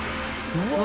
うわ。